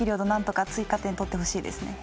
なんとか追加点とってほしいです。